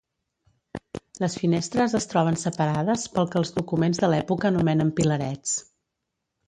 Les finestres es troben separades pel que els documents de l'època anomenen pilarets.